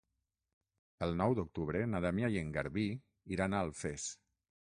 El nou d'octubre na Damià i en Garbí iran a Alfés.